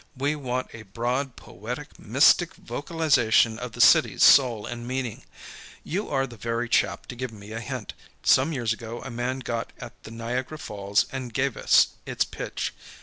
We want a broad, poetic, mystic vocalization of the city's soul and meaning. You are the very chap to give me a hint. Some years ago a man got at the Niagara Falls and gave us its pitch.